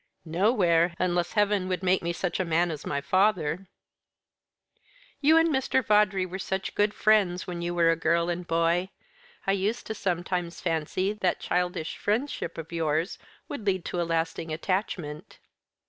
"Nowhere; unless Heaven would make me such a man as my father." "You and Mr. Vawdrey were such friends when you were girl and boy. I used sometimes to fancy that childish friendship of yours would lead to a lasting attachment."